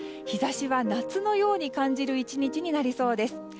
日差しは夏のように感じる１日になりそうです。